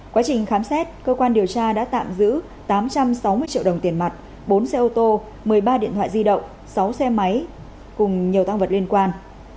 quá trình khám xét cơ quan điều tra đã tạm giữ tám trăm sáu mươi triệu đồng tiền mặt bốn xe ô tô một mươi ba điện thoại di động sáu xe máy cùng nhiều tăng vật liên quan